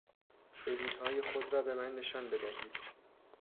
بلیطهای خود را به من نشان بدهید!